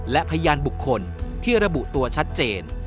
และพยานบุคคลที่ระบุตัวชัดเจน